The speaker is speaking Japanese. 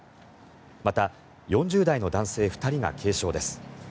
また、４０代の男性２人が軽傷です。